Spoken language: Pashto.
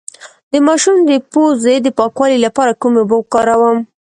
د ماشوم د پوزې د پاکوالي لپاره کومې اوبه وکاروم؟